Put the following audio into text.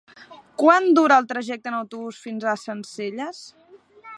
Quant dura el trajecte en autobús fins a Sencelles?